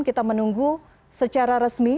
kita menunggu secara resmi